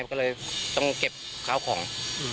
ก็เลยต้องเก็บข้าวของ